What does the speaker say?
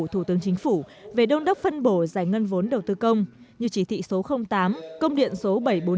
thủ tướng chính phủ về đôn đốc phân bổ giải ngân vốn đầu tư công như chỉ thị số tám công điện số bảy trăm bốn mươi năm